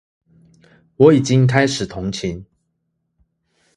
我已經開始同情